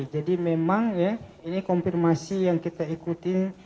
jadi memang ya ini konfirmasi yang kita ikutin